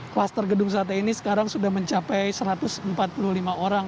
kluster gedung sate ini sekarang sudah mencapai satu ratus empat puluh lima orang